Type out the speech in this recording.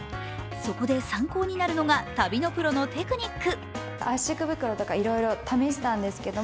そこで参考になるのが、旅のプロのテクニック。